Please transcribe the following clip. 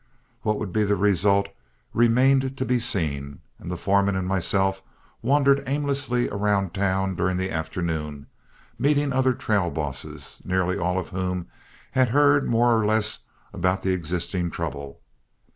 What would be the result remained to be seen, and the foreman and myself wandered aimlessly around town during the afternoon, meeting other trail bosses, nearly all of whom had heard more or less about the existing trouble.